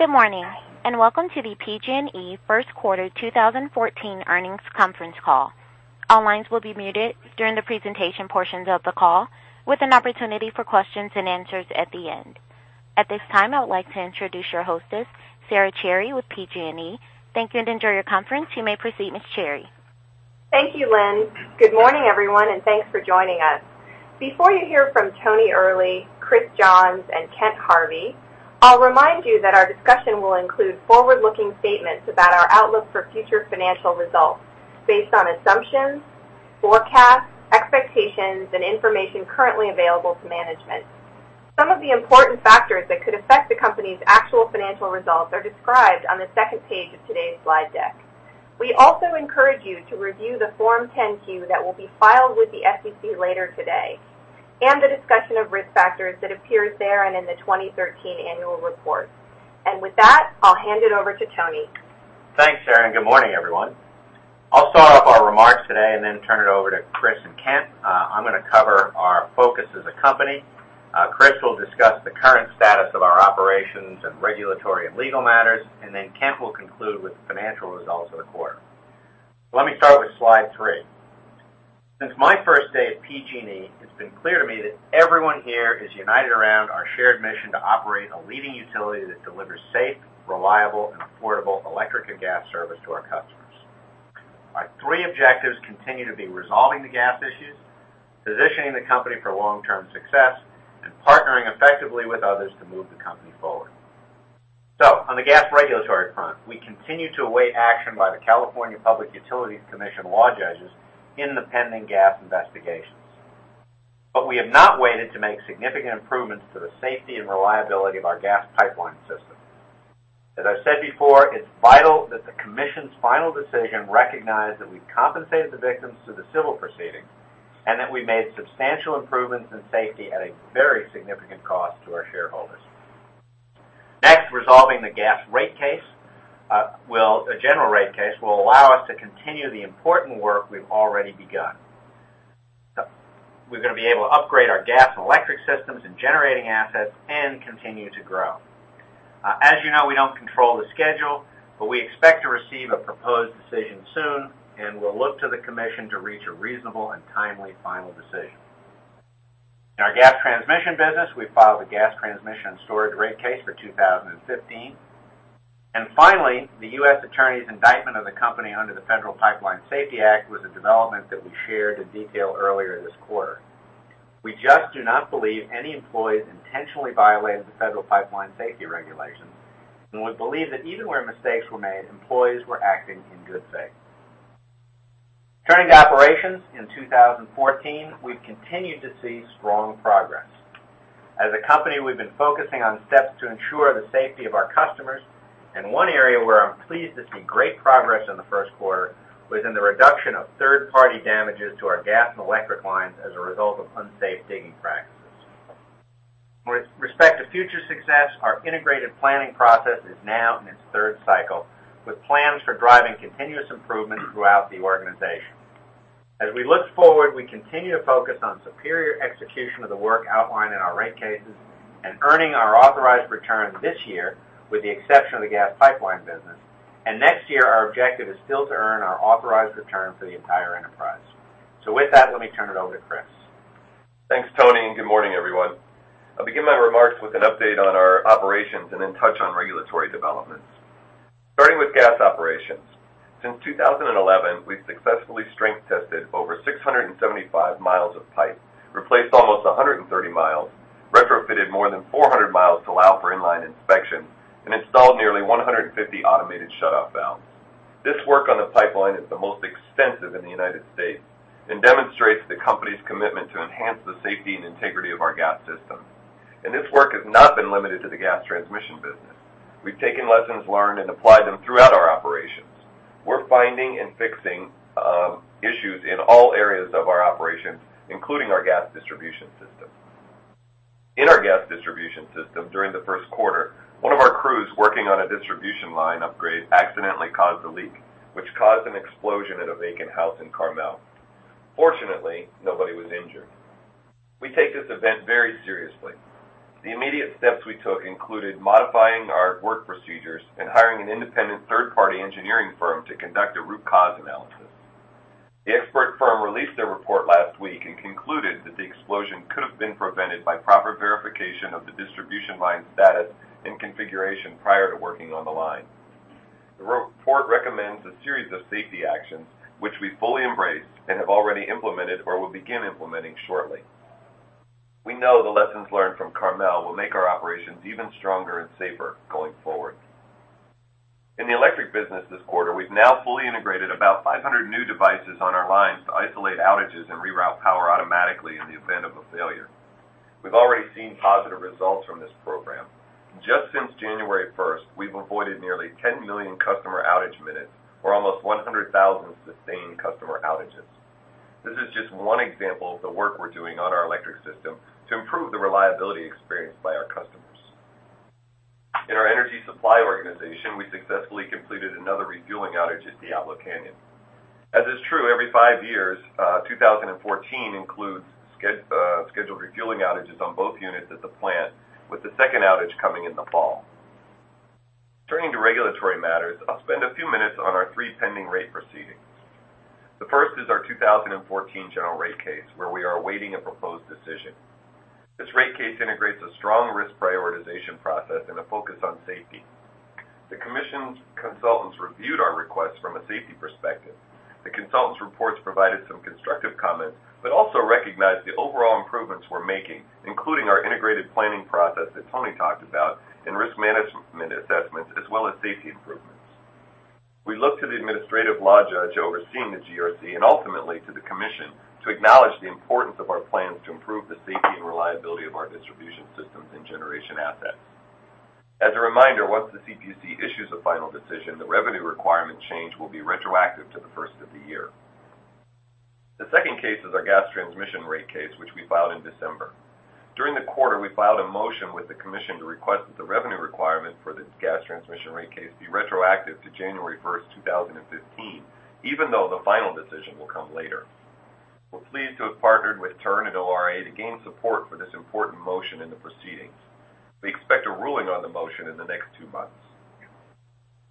Good morning. Welcome to the PG&E first quarter 2014 earnings conference call. All lines will be muted during the presentation portions of the call, with an opportunity for questions and answers at the end. At this time, I would like to introduce your hostess, Sara Cherry with PG&E. Thank you and enjoy your conference. You may proceed, Ms. Cherry. Thank you, Lynn. Good morning, everyone. Thanks for joining us. Before you hear from Tony Earley, Chris Johns, and Kent Harvey, I'll remind you that our discussion will include forward-looking statements about our outlook for future financial results based on assumptions, forecasts, expectations, and information currently available to management. Some of the important factors that could affect the company's actual financial results are described on the second page of today's slide deck. We also encourage you to review the Form 10-Q that will be filed with the SEC later today, and the discussion of risk factors that appears there and in the 2013 annual report. With that, I'll hand it over to Tony. Thanks, Sara. Good morning, everyone. I'll start off our remarks today and then turn it over to Chris and Kent. I'm going to cover our focus as a company. Chris will discuss the current status of our operations in regulatory and legal matters, and then Kent will conclude with the financial results of the quarter. Let me start with slide three. Since my first day at PG&E, it's been clear to me that everyone here is united around our shared mission to operate a leading utility that delivers safe, reliable, and affordable electric and gas service to our customers. Our three objectives continue to be resolving the gas issues, positioning the company for long-term success, and partnering effectively with others to move the company forward. On the gas regulatory front, we continue to await action by the California Public Utilities Commission law judges in the pending gas investigations. We have not waited to make significant improvements to the safety and reliability of our gas pipeline system. As I've said before, it's vital that the commission's final decision recognize that we've compensated the victims through the civil proceedings and that we made substantial improvements in safety at a very significant cost to our shareholders. Next, resolving the gas rate case, well, a general rate case, will allow us to continue the important work we've already begun. We're going to be able to upgrade our gas and electric systems and generating assets and continue to grow. As you know, we don't control the schedule, we expect to receive a proposed decision soon, we'll look to the Commission to reach a reasonable and timely final decision. In our gas transmission business, we filed the Gas Transmission and Storage rate case for 2015. Finally, the U.S. Attorney's indictment of the company under the Federal Pipeline Safety Act was a development that we shared in detail earlier this quarter. We just do not believe any employees intentionally violated the Federal Pipeline Safety regulations, we believe that even where mistakes were made, employees were acting in good faith. Turning to operations in 2014, we've continued to see strong progress. As a company, we've been focusing on steps to ensure the safety of our customers, one area where I'm pleased to see great progress in the first quarter was in the reduction of third-party damages to our gas and electric lines as a result of unsafe digging practices. With respect to future success, our integrated planning process is now in its third cycle, with plans for driving continuous improvement throughout the organization. As we look forward, we continue to focus on superior execution of the work outlined in our rate cases and earning our authorized returns this year with the exception of the gas pipeline business. Next year, our objective is still to earn our authorized return for the entire enterprise. With that, let me turn it over to Chris. Thanks, Tony, good morning, everyone. I'll begin my remarks with an update on our operations then touch on regulatory developments. Starting with gas operations. Since 2011, we've successfully strength tested over 675 miles of pipe, replaced almost 130 miles, retrofitted more than 400 miles to allow for inline inspection, and installed nearly 150 automated shutoff valves. This work on the pipeline is the most extensive in the United States and demonstrates the company's commitment to enhance the safety and integrity of our gas system. This work has not been limited to the gas transmission business. We've taken lessons learned and applied them throughout our operations. We're finding and fixing issues in all areas of our operations, including our gas distribution system. In our gas distribution system during the first quarter, one of our crews working on a distribution line upgrade accidentally caused a leak, which caused an explosion at a vacant house in Carmel. Fortunately, nobody was injured. We take this event very seriously. The immediate steps we took included modifying our work procedures and hiring an independent third-party engineering firm to conduct a root cause analysis. The expert firm released their report last week and concluded that the explosion could have been prevented by proper verification of the distribution line status and configuration prior to working on the line. The report recommends a series of safety actions, which we fully embrace and have already implemented or will begin implementing shortly. We know the lessons learned from Carmel will make our operations even stronger and safer going forward. In the electric business this quarter, we've now fully integrated about 500 new devices on our lines to isolate outages and reroute power automatically in the event of a failure. We've already seen positive results from this program. Just since January 1st, we've avoided nearly 10 million customer outage minutes or almost 100,000 sustained customer outages. This is just one example of the work we're doing on our electric system to improve the reliability experienced by our customers. In our energy supply organization, we successfully completed another refueling outage at Diablo Canyon. As is true every five years, 2014 includes scheduled refueling outages on both units at the plant, with the second outage coming in the fall. Turning to regulatory matters, I'll spend a few minutes on our three pending rate proceedings. The first is our 2014 general rate case, where we are awaiting a proposed decision. This rate case integrates a strong risk prioritization process and a focus on safety. The commission's consultants reviewed our request from a safety perspective. The consultant's reports provided some constructive comments, but also recognized the overall improvements we're making, including our integrated planning process that Tony talked about, and risk management assessments, as well as safety improvements. We look to the administrative law judge overseeing the GRC, and ultimately to the commission, to acknowledge the importance of our plans to improve the safety and reliability of our distribution systems and generation assets. As a reminder, once the CPUC issues a final decision, the revenue requirement change will be retroactive to the first of the year. The second case is our gas transmission rate case, which we filed in December. During the quarter, we filed a motion with the commission to request that the revenue requirement for this gas transmission rate case be retroactive to January 1st, 2015, even though the final decision will come later. We're pleased to have partnered with TURN and ORA to gain support for this important motion in the proceedings. We expect a ruling on the motion in the next two months.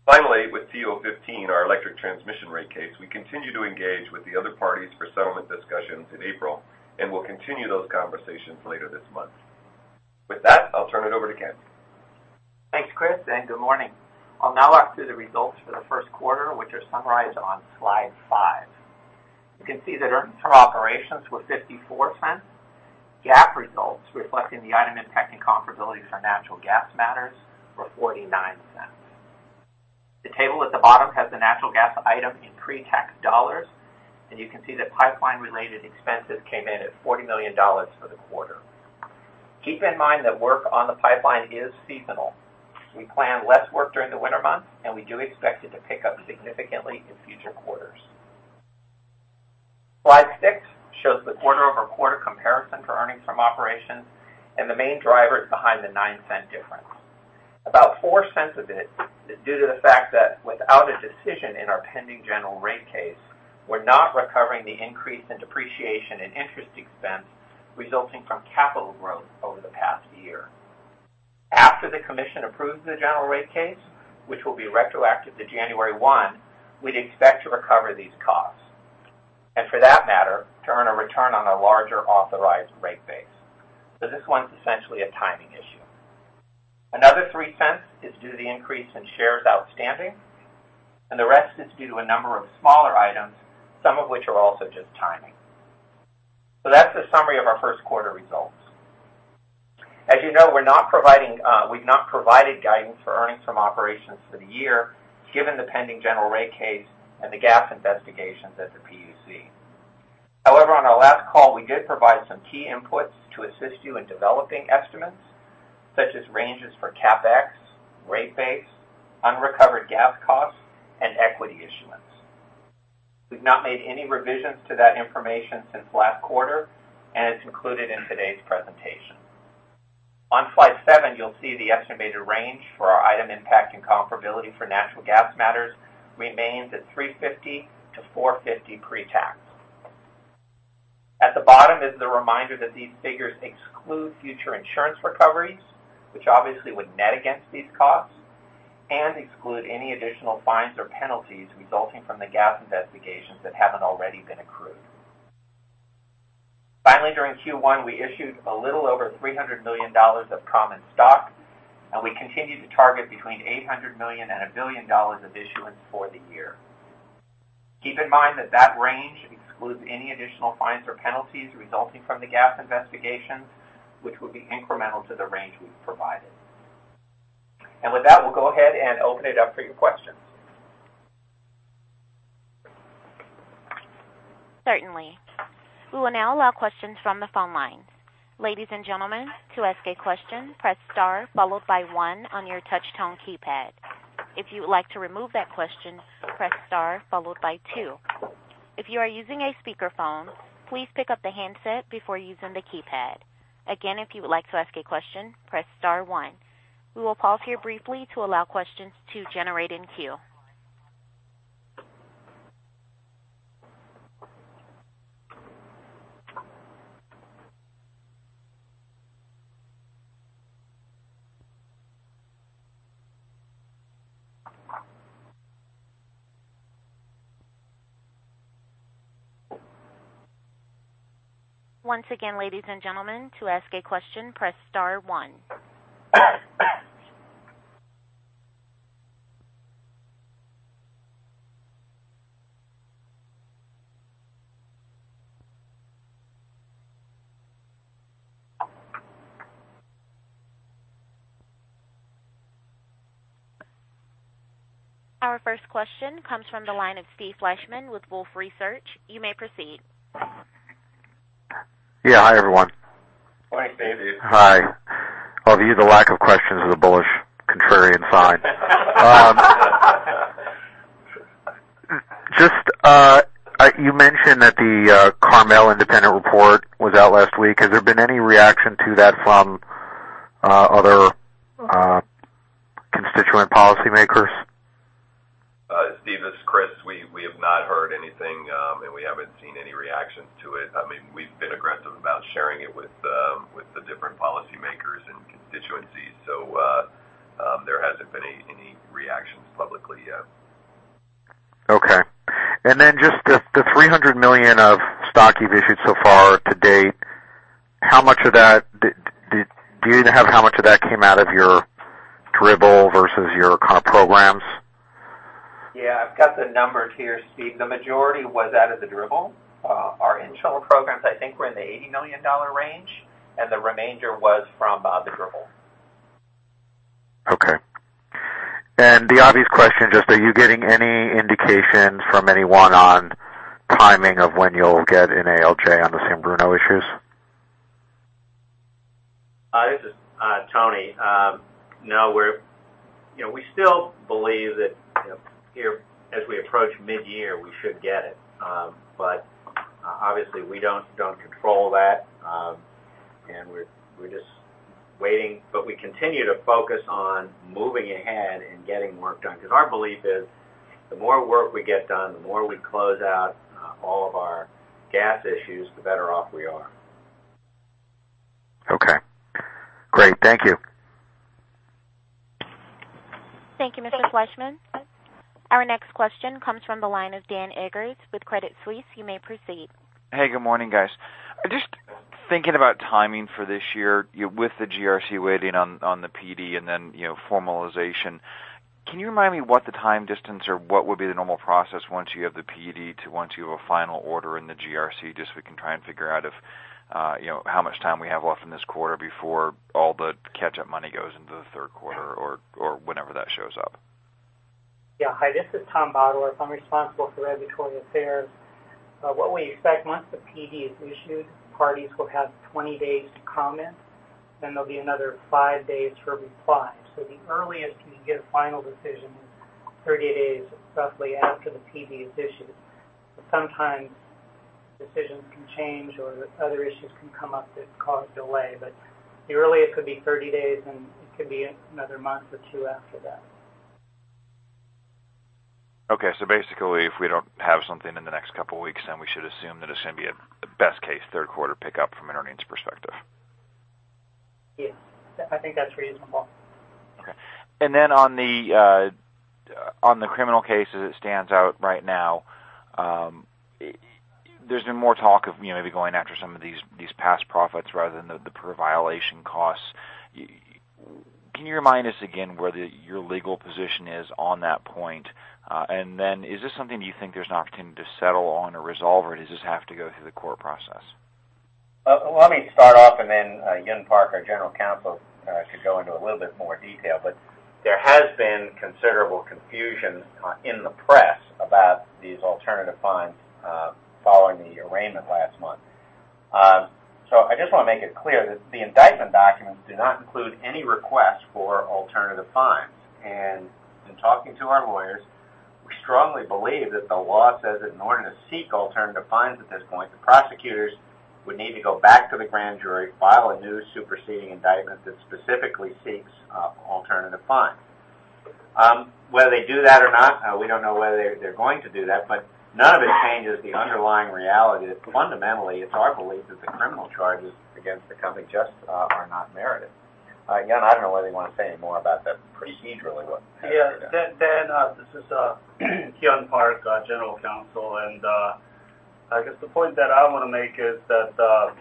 Finally, with TO15, our electric transmission rate case, we continue to engage with the other parties for settlement discussions in April, and we'll continue those conversations later this month. With that, I'll turn it over to Kent. Thanks, Chris, and good morning. I'll now walk through the results for the first quarter, which are summarized on slide five. You can see that earnings from operations were $0.54. GAAP results, reflecting the item and tax incomparability for natural gas matters, were $0.49. The table at the bottom has the natural gas item in pre-tax dollars, and you can see that pipeline-related expenses came in at $40 million for the quarter. Keep in mind that work on the pipeline is seasonal. We plan less work during the winter months, and we do expect it to pick up significantly in future quarters. Slide six shows the quarter-over-quarter comparison for earnings from operations and the main drivers behind the $0.09 difference. About $0.04 of it is due to the fact that without a decision in our pending general rate case, we're not recovering the increase in depreciation and interest expense resulting from capital growth over the past year. After the commission approves the general rate case, which will be retroactive to January one, we'd expect to recover these costs, and for that matter, to earn a return on a larger authorized rate base. This one's essentially a timing issue. Another $0.03 is due to the increase in shares outstanding, and the rest is due to a number of smaller items, some of which are also just timing. That's the summary of our first quarter results. As you know, we've not provided guidance for earnings from operations for the year, given the pending general rate case and the gas investigations at the PUC. However, on our last call, we did provide some key inputs to assist you in developing estimates, such as ranges for CapEx, rate base, unrecovered gas costs, and equity issuance. We've not made any revisions to that information since last quarter, and it's included in today's presentation. On slide seven, you'll see the estimated range for our item impact and comparability for natural gas matters remains at $350-$450 pre-tax. At the bottom is the reminder that these figures exclude future insurance recoveries, which obviously would net against these costs, and exclude any additional fines or penalties resulting from the gas investigations that haven't already been accrued. Finally, during Q1, we issued a little over $300 million of common stock, and we continue to target between $800 million and $1 billion of issuance for the year. Keep in mind that that range excludes any additional fines or penalties resulting from the gas investigation, which will be incremental to the range we've provided. With that, we'll go ahead and open it up for your questions. Certainly. We will now allow questions from the phone line. Ladies and gentlemen, to ask a question, press star, followed by one on your touch tone keypad. If you would like to remove that question, press star followed by two. If you are using a speakerphone, please pick up the handset before using the keypad. Again, if you would like to ask a question, press star one. We will pause here briefly to allow questions to generate in queue. Once again, ladies and gentlemen, to ask a question, press star one. Our first question comes from the line of Steven Fleishman with Wolfe Research. You may proceed. Yeah, hi, everyone. Morning, Steve. Hi. I'll view the lack of questions as a bullish contrarian sign. Just, you mentioned that the Carmel independent report was out last week. Has there been any reaction to that from other- joint policymakers? Steve, this is Chris. We have not heard anything, and we haven't seen any reactions to it. We've been aggressive about sharing it with the different policymakers and constituencies. There hasn't been any reactions publicly yet. Okay. Just the $300 million of stock you've issued so far to date, do you have how much of that came out of your DRIP versus your comp programs? Yeah, I've got the numbers here, Steve. The majority was out of the DRIP. Our internal programs, I think, were in the $80 million range, and the remainder was from the DRIP. Okay. The obvious question, just are you getting any indications from anyone on timing of when you'll get an ALJ on the San Bruno issues? This is Tony. No. Obviously, we don't control that. We're just waiting, but we continue to focus on moving ahead and getting work done because our belief is the more work we get done, the more we close out all of our gas issues, the better off we are. Okay. Great. Thank you. Thank you, Mr. Fleishman. Our next question comes from the line of Daniel Eggers with Credit Suisse. You may proceed. Hey, good morning, guys. Just thinking about timing for this year, with the GRC waiting on the PD and then formalization. Can you remind me what the time distance or what would be the normal process once you have the PD to once you have a final order in the GRC, just so we can try and figure out how much time we have left in this quarter before all the catch-up money goes into the third quarter or whenever that shows up? Yeah. Hi, this is Tom Bottorff. I'm responsible for regulatory affairs. What we expect once the PD is issued, parties will have 20 days to comment, then there'll be another five days for reply. The earliest we can get a final decision is 30 days, roughly, after the PD is issued. Sometimes decisions can change or other issues can come up that cause delay. The earliest could be 30 days, and it could be another month or two after that. Okay. Basically, if we don't have something in the next couple of weeks, then we should assume that it's going to be a best case third quarter pickup from an earnings perspective. Yes. I think that's reasonable. Okay. On the criminal case as it stands out right now, there's been more talk of maybe going after some of these past profits rather than the per violation costs. Can you remind us again where your legal position is on that point? Is this something you think there's an opportunity to settle on or resolve, or does this have to go through the court process? Let me start off, then Hyun Park, our General Counsel, should go into a little bit more detail. There has been considerable confusion in the press about these alternative fines following the arraignment last month. I just want to make it clear that the indictment documents do not include any request for alternative fines. In talking to our lawyers, we strongly believe that the law says that in order to seek alternative fines at this point, the prosecutors would need to go back to the grand jury, file a new superseding indictment that specifically seeks alternative fines. Whether they do that or not, we don't know whether they're going to do that, but none of it changes the underlying reality. Fundamentally, it's our belief that the criminal charges against the company just are not merited. Again, I don't know whether you want to say any more about that procedurally what has to be done. Dan, this is Hyun Park, General Counsel. I guess the point that I want to make is that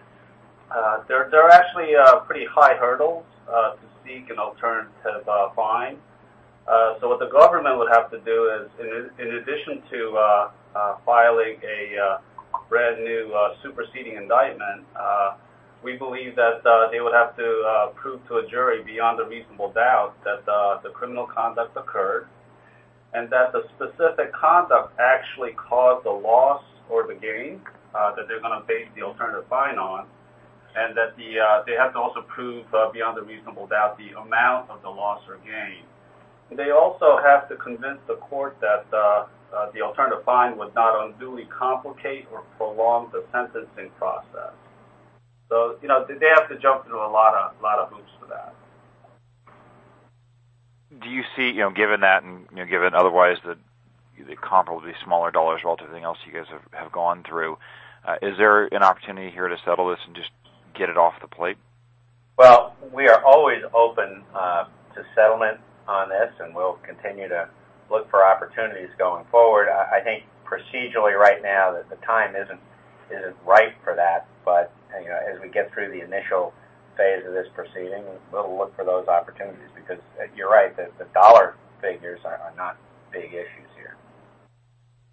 there are actually pretty high hurdles to seek an alternative fine. What the government would have to do is, in addition to filing a brand-new superseding indictment, we believe that they would have to prove to a jury beyond a reasonable doubt that the criminal conduct occurred and that the specific conduct actually caused the loss or the gain that they're going to base the alternative fine on. They have to also prove beyond a reasonable doubt the amount of the loss or gain. They also have to convince the court that the alternative fine would not unduly complicate or prolong the sentencing process. They have to jump through a lot of hoops for that. Do you see, given that and given otherwise that comparably smaller dollars relative to anything else you guys have gone through, is there an opportunity here to settle this and just get it off the plate? Well, we are always open to settlement on this. We'll continue to look for opportunities going forward. I think procedurally right now that the time isn't ripe for that. As we get through the initial phase of this proceeding, we'll look for those opportunities because you're right, the dollar figures are not big issues here.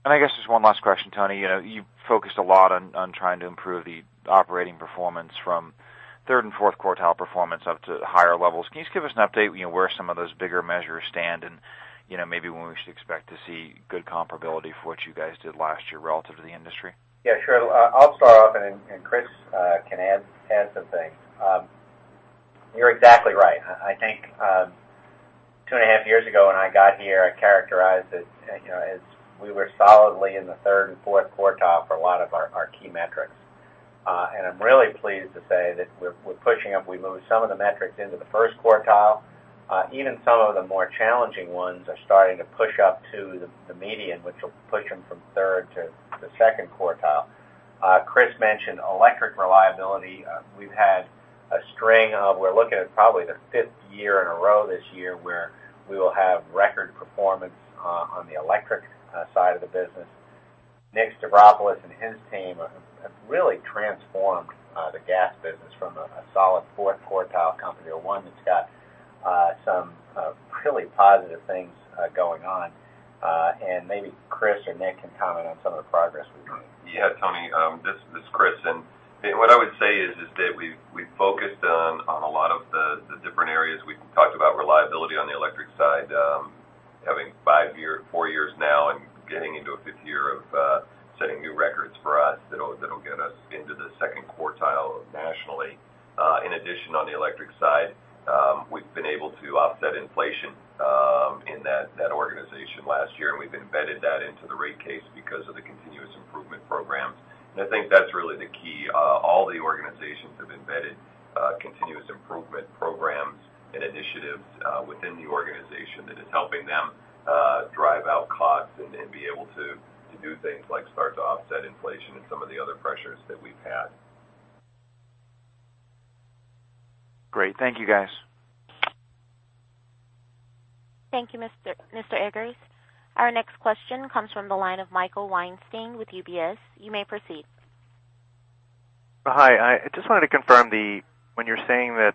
I guess just one last question, Tony. You've focused a lot on trying to improve the operating performance from third and fourth quartile performance up to higher levels. Can you just give us an update where some of those bigger measures stand and maybe when we should expect to see good comparability for what you guys did last year relative to the industry? Yeah, sure. I'll start off. Chris can add some things. You're exactly right. I think two and a half years ago when I got here, I characterized it as we were solidly in the third and fourth quartile for a lot of our key metrics. I'm really pleased to say that we're pushing up. We moved some of the metrics into the first quartile. Even some of the more challenging ones are starting to push up to the median, which will push them from third to the second quartile. Chris mentioned electric reliability. We're looking at probably the fifth year in a row this year where we will have record performance on the electric side of the business. Nickolas Stavropoulos and his team have really transformed the gas business from a solid fourth quartile company to one that's got some really positive things going on. Maybe Chris or Nick can comment on some of the progress we've made. Yeah, Tony. This is Chris. What I would say is that we've focused on a lot of the different areas. We talked about reliability on the electric side, having 4 years now and getting into a fifth year of setting new records for us that'll get us into the second quartile nationally. In addition, on the electric side, we've been able to offset inflation in that organization last year. We've embedded that into the rate case because of the continuous improvement programs. I think that's really the key. All the organizations have embedded continuous improvement programs and initiatives within the organization that is helping them drive out costs and be able to do things like start to offset inflation and some of the other pressures that we've had. Great. Thank you, guys. Thank you, Mr. Eggers. Our next question comes from the line of Michael Weinstein with UBS. You may proceed. Hi, I just wanted to confirm when you're saying that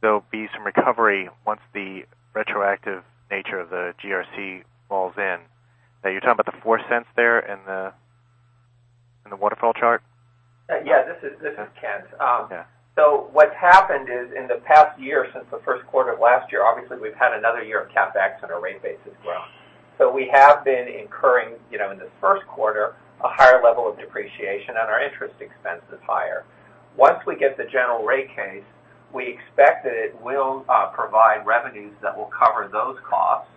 there'll be some recovery once the retroactive nature of the GRC falls in, are you talking about the $0.04 there in the waterfall chart? Yeah, this is Kent. Okay. What's happened is in the past year, since the first quarter of last year, obviously we've had another year of CapEx and our rate base has grown. We have been incurring, in this first quarter, a higher level of depreciation, and our interest expense is higher. Once we get the General Rate Case, we expect that it will provide revenues that will cover those costs,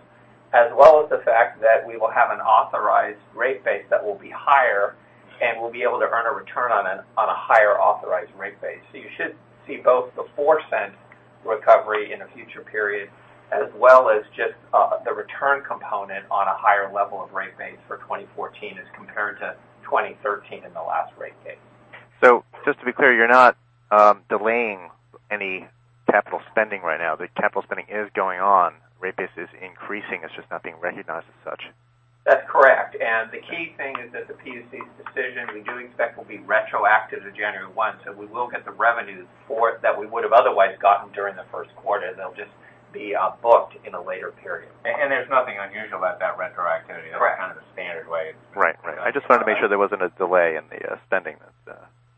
as well as the fact that we will have an authorized rate base that will be higher, and we'll be able to earn a return on a higher authorized rate base. You should see both the $0.04 recovery in a future period, as well as just the return component on a higher level of rate base for 2014 as compared to 2013 in the last rate case. Just to be clear, you're not delaying any capital spending right now. The capital spending is going on. Rate base is increasing. It's just not being recognized as such. That's correct. The key thing is that the PUC's decision, we do expect will be retroactive to January 1. We will get the revenues for it that we would have otherwise gotten during the first quarter. They'll just be booked in a later period. There's nothing unusual about that retroactivity. Right. That's kind of the standard way it's been done. Right. I just wanted to make sure there wasn't a delay in the spending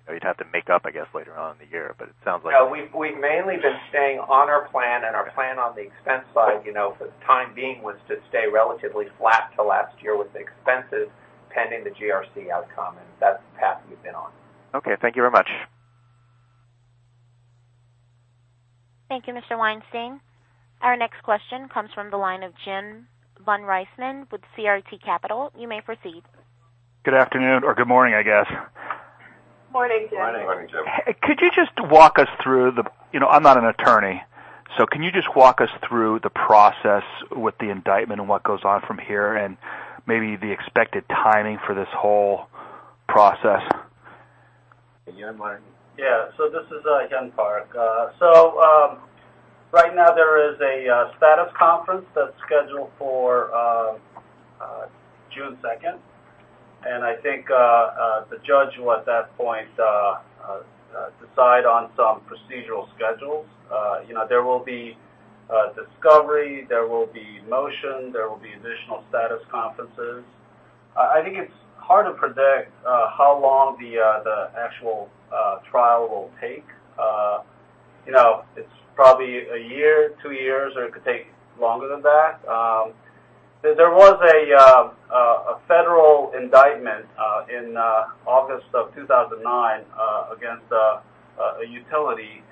that you'd have to make up, I guess, later on in the year. It sounds like- No, we've mainly been staying on our plan, and our plan on the expense side, for the time being, was to stay relatively flat to last year with the expenses pending the GRC outcome, and that's the path we've been on. Okay. Thank you very much. Thank you, Mr. Weinstein. Our next question comes from the line of Jim von Riesemann with CRT Capital. You may proceed. Good afternoon. Good morning, I guess. Morning, Jim. Morning. I'm not an attorney, so can you just walk us through the process with the indictment and what goes on from here, and maybe the expected timing for this whole process? Hyun, why don't you? Yeah. This is Hyun Park. Right now there is a status conference that's scheduled for June 2nd, and I think the judge will, at that point, decide on some procedural schedules. There will be discovery, there will be motion, there will be additional status conferences. I think it's hard to predict how long the actual trial will take. It's probably a year, two years, or it could take longer than that. There was a federal indictment in August of 2009 against a utility.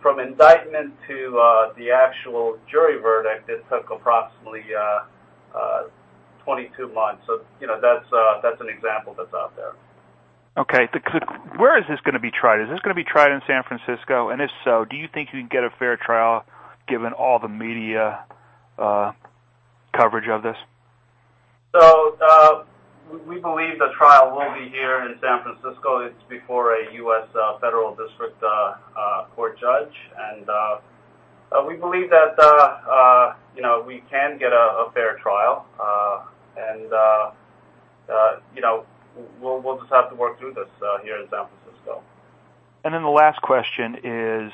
From indictment to the actual jury verdict, it took approximately 22 months. That's an example that's out there. Okay. Where is this going to be tried? Is this going to be tried in San Francisco? If so, do you think you can get a fair trial given all the media coverage of this? We believe the trial will be here in San Francisco. It's before a United States District Court judge, and we believe that we can get a fair trial. We'll just have to work through this here in San Francisco. The last question is,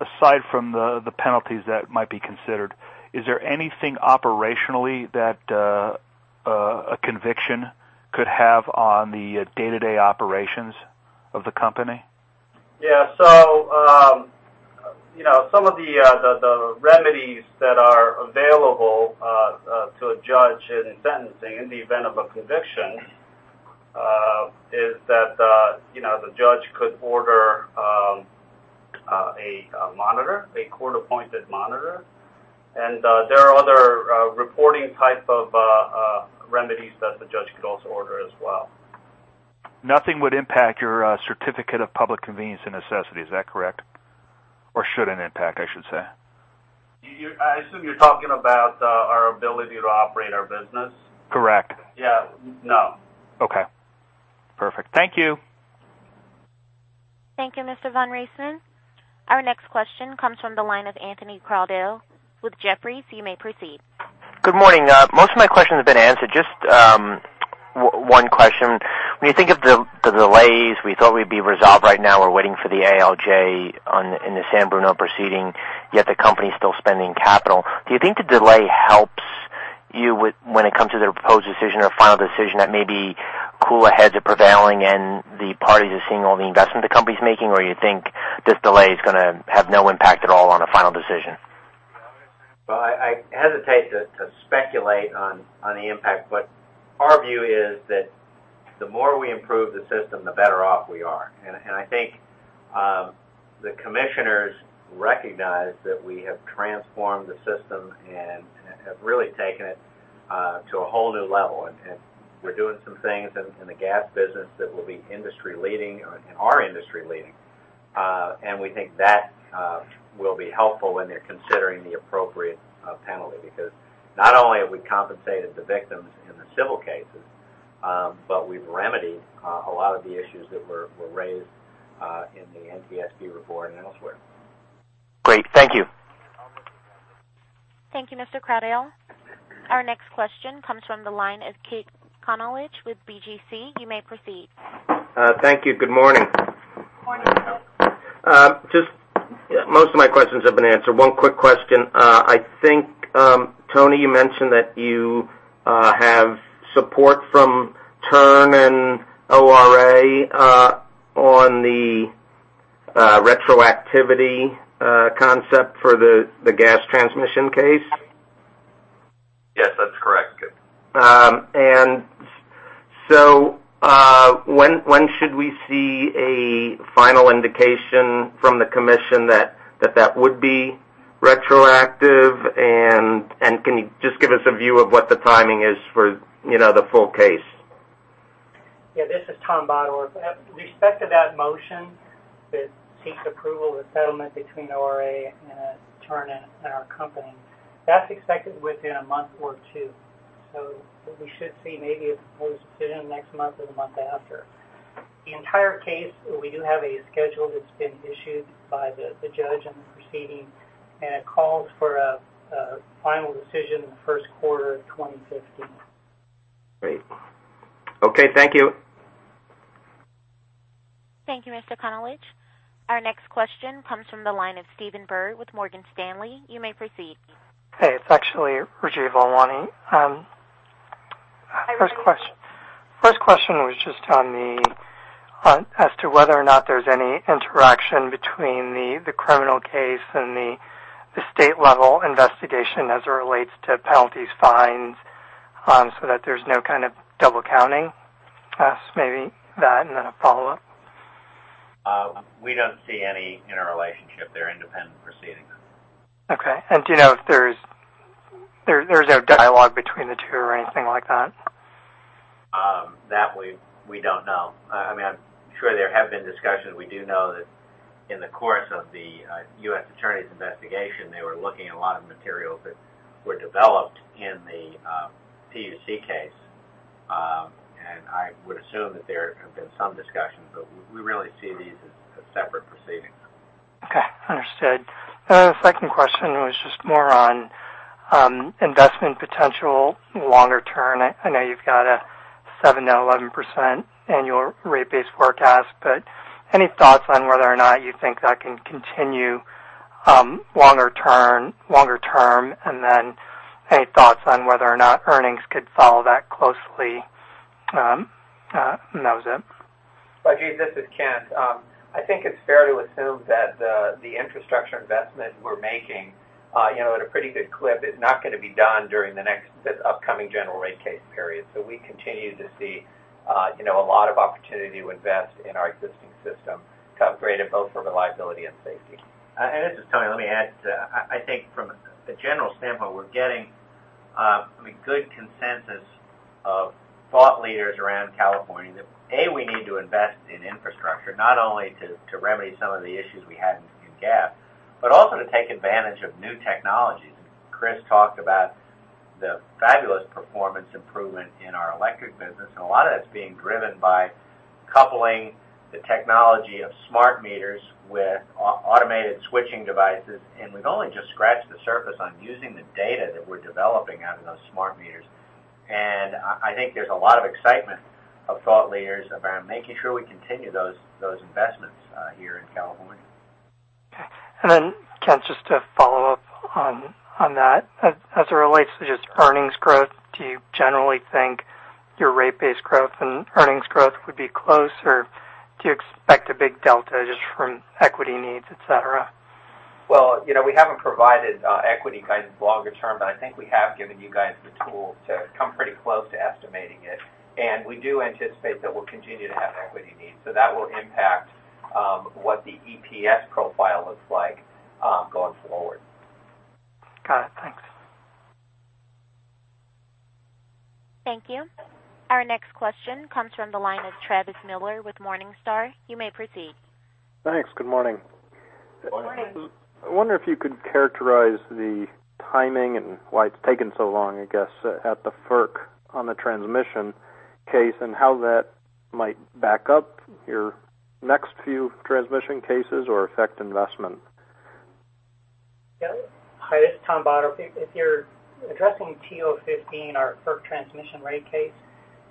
aside from the penalties that might be considered, is there anything operationally that a conviction could have on the day-to-day operations of the company? Yeah. Some of the remedies that are available to a judge in sentencing in the event of a conviction is that the judge could order a court-appointed monitor. There are other reporting type of remedies that the judge could also order as well. Nothing would impact your certificate of public convenience and necessity. Is that correct? Shouldn't impact, I should say. I assume you're talking about our ability to operate our business. Correct. Yeah. No. Okay. Perfect. Thank you. Thank you, Mr. von Riesemann. Our next question comes from the line of Anthony Crowdell with Jefferies. You may proceed. Good morning. Most of my questions have been answered. Just one question. When you think of the delays, we thought we'd be resolved right now. We're waiting for the ALJ in the San Bruno proceeding, yet the company's still spending capital. Do you think the delay helps you when it comes to the proposed decision or final decision that maybe cool heads are prevailing and the parties are seeing all the investment the company's making? You think this delay is going to have no impact at all on a final decision? I hesitate to speculate on the impact, but our view is that the more we improve the system, the better off we are. I think, the commissioners recognize that we have transformed the system and have really taken it to a whole new level. We're doing some things in the gas business that will be industry leading or are industry leading. We think that will be helpful when they're considering the appropriate penalty because not only have we compensated the victims in the civil cases, but we've remedied a lot of the issues that were raised in the NTSB report and elsewhere. Great. Thank you. Thank you, Mr. Crowdell. Our next question comes from the line of Kit Konolige with BGC. You may proceed. Thank you. Good morning. Good morning. Most of my questions have been answered. One quick question. I think, Tony, you mentioned that you have support from TURN and ORA on the retroactivity concept for the gas transmission case? Yes, that's correct. When should we see a final indication from the Commission that that would be retroactive? Can you just give us a view of what the timing is for the full case? This is Tom Bottorff. With respect to that motion that seeks approval of settlement between ORA and TURN and our company, that's expected within a month or two. We should see maybe a proposed decision next month or the month after. The entire case, we do have a schedule that's been issued by the judge on the proceeding, and it calls for a final decision in the first quarter of 2015. Great. Okay. Thank you. Thank you, Mr. Konolige. Our next question comes from the line of Stephen Byrd with Morgan Stanley. You may proceed. Hey. It's actually Rajiv Alwani. First question was just as to whether or not there's any interaction between the criminal case and the state level investigation as it relates to penalties, fines, so that there's no kind of double counting? Maybe that, and then a follow-up. We don't see any interrelationship. They're independent proceedings. Okay. Do you know if there's no dialogue between the two or anything like that? That we don't know. I'm sure there have been discussions. We do know that in the course of the US Attorney's investigation, they were looking at a lot of materials that were developed in the PUC case. I would assume that there have been some discussions, but we really see these as separate proceedings. Okay. Understood. Second question was just more on investment potential longer term. I know you've got a 7%-11% annual rate base forecast, any thoughts on whether or not you think that can continue longer term? Then any thoughts on whether or not earnings could follow that closely? That was it. Rajiv, this is Kent. I think it's fair to assume that the infrastructure investment we're making, at a pretty good clip, is not going to be done during the next upcoming general rate case period. We continue to see a lot of opportunity to invest in our existing system to upgrade it both for reliability and safety. This is Tony. Let me add to that. I think from a general standpoint, we're getting a good consensus of thought leaders around California that, A, we need to invest in infrastructure, not only to remedy some of the issues we had in gas, but also to take advantage of new technologies. Chris talked about the fabulous performance improvement in our electric business, a lot of that's being driven by coupling the technology of smart meters with automated switching devices. We've only just scratched the surface on using the data that we're developing out of those smart meters. I think there's a lot of excitement of thought leaders around making sure we continue those investments here in California. Okay. Kent, just to follow up on that. As it relates to just earnings growth, do you generally think your rate base growth and earnings growth would be close? Do you expect a big delta just from equity needs, et cetera? Well, we haven't provided equity guidance longer term, but I think we have given you guys the tools to come pretty close to estimating it. We do anticipate that we'll continue to have equity needs. That will impact what the EPS profile looks like going forward. Got it. Thank you. Our next question comes from the line of Travis Miller with Morningstar. You may proceed. Thanks. Good morning. Good morning. I wonder if you could characterize the timing and why it's taken so long, I guess, at the FERC on the transmission case, and how that might back up your next few transmission cases or affect investment. Yeah. Hi, this is Tom Bottorff. If you're addressing TO15, our FERC transmission rate case,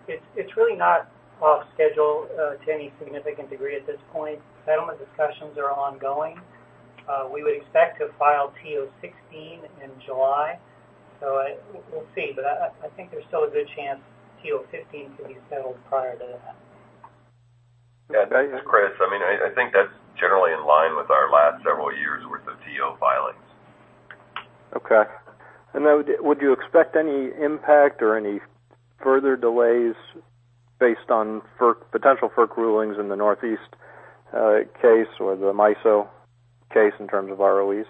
it's really not off schedule to any significant degree at this point. Settlement discussions are ongoing. We would expect to file TO16 in July, we'll see. I think there's still a good chance TO15 can be settled prior to that. Yeah. This is Chris. I think that's generally in line with our last several years' worth of TO filings. Okay. Would you expect any impact or any further delays based on potential FERC rulings in the Northeast case or the MISO case in terms of ROEs?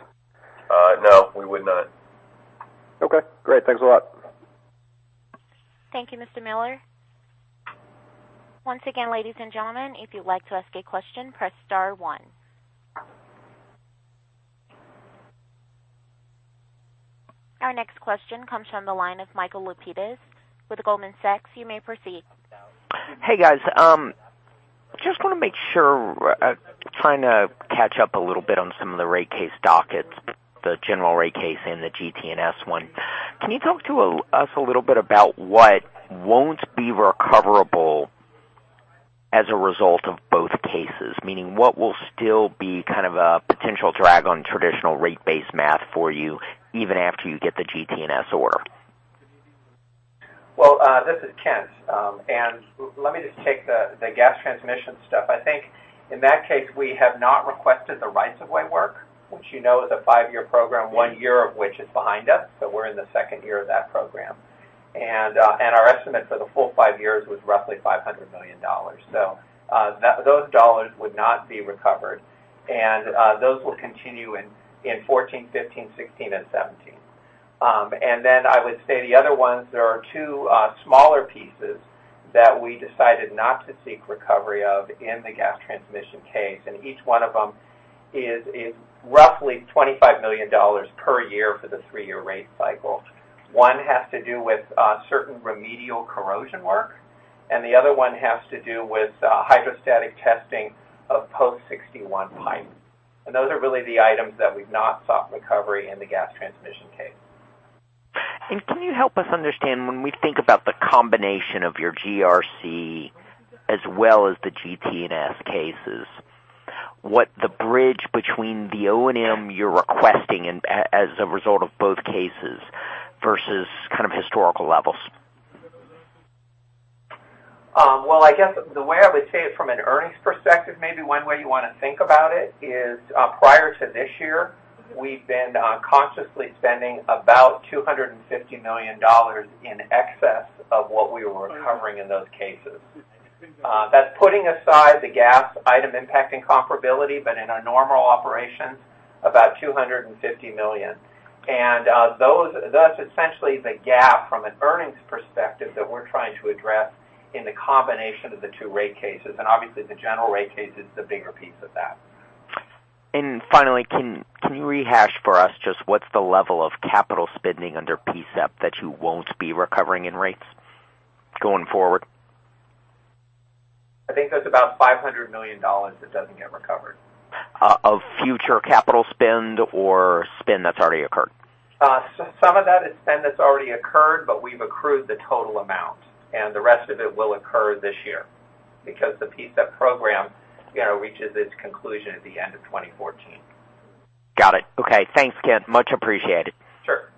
No, we would not. Okay, great. Thanks a lot. Thank you, Mr. Miller. Once again, ladies and gentlemen, if you'd like to ask a question, press star one. Our next question comes from the line of Michael Lapides with Goldman Sachs. You may proceed. Hey, guys. Just want to make sure, trying to catch up a little bit on some of the rate case dockets, the general rate case and the GT&S one. Can you talk to us a little bit about what won't be recoverable as a result of both cases? Meaning what will still be kind of a potential drag on traditional rate base math for you even after you get the GT&S order? Well, this is Kent, and let me just take the gas transmission stuff. I think in that case, we have not requested the rights-of-way work, which you know is a five-year program, one year of which is behind us. We're in the second year of that program. Our estimate for the full five years was roughly $500 million. Those dollars would not be recovered. Those will continue in 2014, 2015, 2016, and 2017. I would say the other ones, there are two smaller pieces that we decided not to seek recovery of in the gas transmission case, and each one of them is roughly $25 million per year for the three-year rate cycle. One has to do with certain remedial corrosion work, and the other one has to do with hydrostatic testing of post 61 pipe. Those are really the items that we've not sought recovery in the gas transmission case. Can you help us understand, when we think about the combination of your GRC as well as the GT&S cases, what the bridge between the O&M you're requesting as a result of both cases versus kind of historical levels? Well, I guess the way I would say it from an earnings perspective, maybe one way you want to think about it is, prior to this year, we've been consciously spending about $250 million in excess of what we were recovering in those cases. That's putting aside the gas item impacting comparability, but in our normal operations, about $250 million. That's essentially the gap from an earnings perspective that we're trying to address in the combination of the two rate cases. Obviously, the general rate case is the bigger piece of that. Finally, can you rehash for us just what's the level of capital spending under PSEP that you won't be recovering in rates going forward? I think there's about $500 million that doesn't get recovered. Of future capital spend or spend that's already occurred? Some of that is spend that's already occurred, but we've accrued the total amount, and the rest of it will occur this year because the PSEP program reaches its conclusion at the end of 2014. Got it. Okay. Thanks, Kent. Much appreciated. Sure.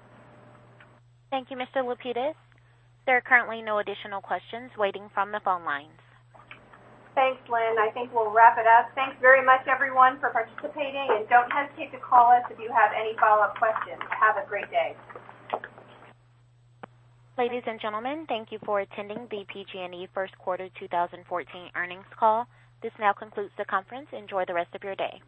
Thank you, Mr. Lapides. There are currently no additional questions waiting from the phone lines. Thanks, Lynn. I think we'll wrap it up. Thanks very much, everyone, for participating. Don't hesitate to call us if you have any follow-up questions. Have a great day. Ladies and gentlemen, thank you for attending the PG&E first quarter 2014 earnings call. This now concludes the conference. Enjoy the rest of your day.